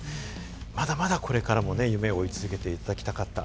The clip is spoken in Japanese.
まだまだこれからも夢を追い続けていただきたかったな。